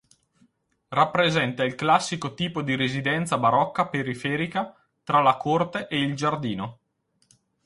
Rappresenta il classico tipo di residenza barocca periferica tra la corte e il giardino.